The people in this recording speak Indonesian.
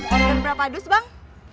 order berapa dus bang